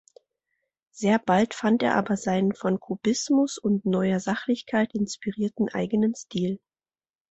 Sehr bald fand er aber seinen von Kubismus und Neuer Sachlichkeit inspirierten eigenen Stil.